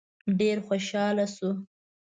ډېر خوشاله شو.